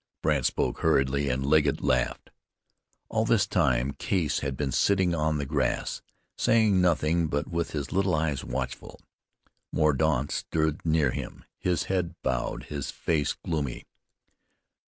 Brandt spoke hurriedly, and Legget laughed. All this time Case had been sitting on the grass, saying nothing, but with his little eyes watchful. Mordaunt stood near him, his head bowed, his face gloomy.